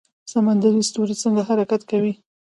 سمندري ستوری څنګه حرکت کوي؟